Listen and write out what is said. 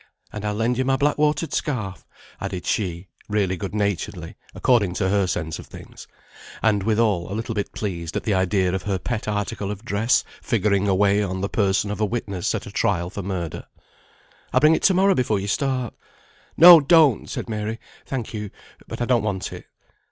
And I'll lend you my black watered scarf," added she, really good naturedly, according to her sense of things, and withal, a little bit pleased at the idea of her pet article of dress figuring away on the person of a witness at a trial for murder. "I'll bring it to morrow before you start." "No, don't!" said Mary; "thank you, but I don't want it."